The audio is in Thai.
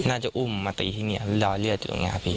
น่าจะอุ้มมาตีที่นี่ครับรอยเลือดอยู่ตรงนี้ครับพี่